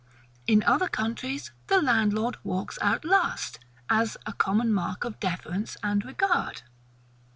In other countries, the landlord walks out last, as a common mark of deference and regard.